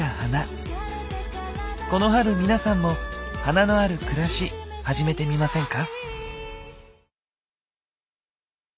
この春皆さんも花のある暮らし始めてみませんか？